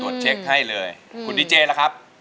เช็คให้เลยคุณดีเจล่ะครับ